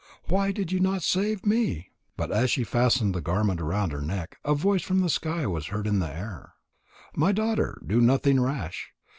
Why did you not save me?" But as she fastened the garment about her neck, a voice from the sky was heard in the air: "My daughter, do nothing rash.